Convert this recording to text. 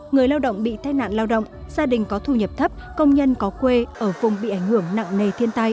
người lao động bị tai nạn lao động gia đình có thu nhập thấp công nhân có quê ở vùng bị ảnh hưởng nặng nề thiên tai